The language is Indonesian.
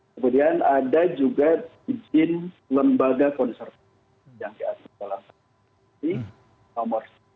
kemudian ada juga izin lembaga konservasi yang diatur dalam peraturan menteri nomor dua puluh dua tahun dua ribu sembilan belas